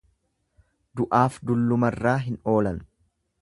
Du'aaf dullumarraa hin oolan.